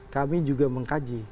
kami juga mengkaji